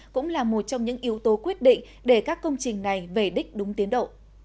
cũng là một trong những yếu tố quyết định để các công trình này về đích đúng tiến độ